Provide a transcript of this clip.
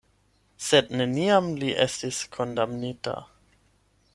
Sed neniam li estis kondamnita.